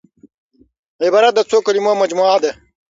عبارت د څو کليمو مجموعه ده.